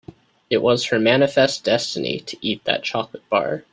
It was her manifest destiny to eat that chocolate bar.